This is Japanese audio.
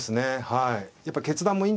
はい。